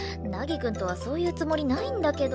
凪くんとはそういうつもりないんだけど。